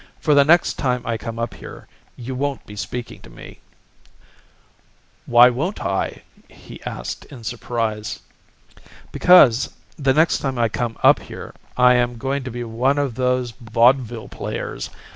For the next time I come up here you won't be speaking to me.' "'Why won't I?' he asked in surprise. "'Because the next time I come up here I am going to be "one of those Vaudeville players."